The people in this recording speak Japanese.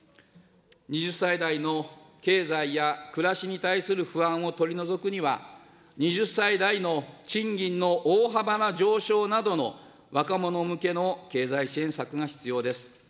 ２０歳代の経済や暮らしに対する不安を取り除くには、２０歳代の賃金の大幅な上昇などの若者向けの経済支援策が必要です。